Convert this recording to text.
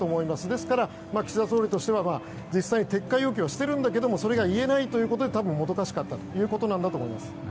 ですから、岸田総理としては実際に撤回要求はしているんだけどもそれが言えないということで多分もどかしかったんだと思います。